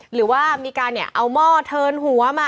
หรือว่ามีการเอาหม้อเทินหัวมา